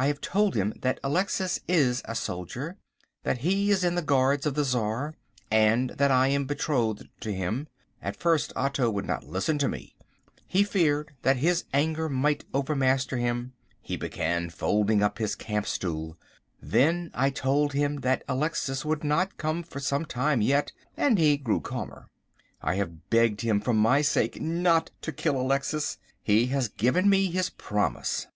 I have told him that Alexis is a soldier, that he is in the Guards of the Czar, and that I am betrothed to him. At first Otto would not listen to me. He feared that his anger might overmaster him. He began folding up his camp stool. Then I told him that Alexis would not come for some time yet, and he grew calmer. I have begged him for my sake not to kill Alexis. He has given me his promise.